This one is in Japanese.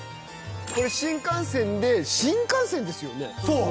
これ新幹線で新幹線ですよね？